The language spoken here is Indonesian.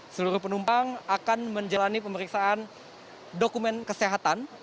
seluruh penumpang akan menjalani pemeriksaan dokumen kesehatan